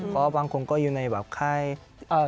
เพราะบางคนก็อยู่แหละแเข้นกงครับ